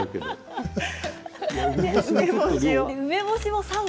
梅干しを。